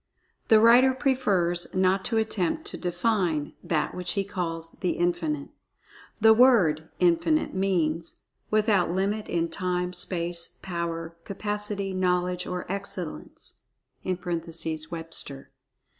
The writer prefers not to attempt to "define" THAT which he calls "The Infinite." The word "Infinite" means "without limit in time, space, power, capacity, knowledge or excellence" (Webster).